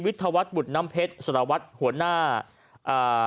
วิทยาวัฒน์บุตนำเพชรสรวัสดิ์หัวหน้าอ่า